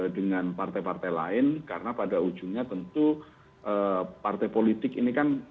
dengan partai partai lain karena pada ujungnya tentu partai politik ini kan